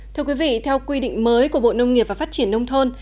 thưa quý vị theo quy định mới của bộ nông nghiệp và phát triển nông thôn